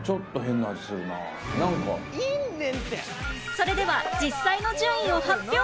それでは実際の順位を発表